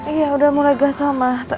iya udah mulai gatel mah